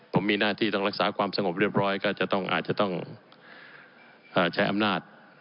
ผมมีหน้าที่ต้องรักษาความสงบเรียบร้อยก็จะต้องอาจจะต้องใช้อำนาจ